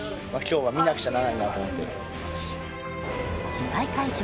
試合会場